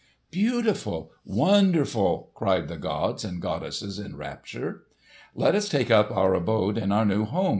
"Beautiful! Wonderful!" cried the gods and goddesses in rapture. "Let us take up our abode in our new home!"